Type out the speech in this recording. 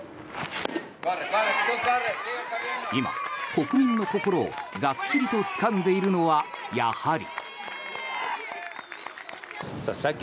今、国民の心をがっちりとつかんでいるのは、やはり。